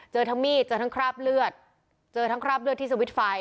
เจอทั้งมีดเจอทั้งคราบเลือดเจอทั้งคราบเลือดที่สวิตช์ไฟ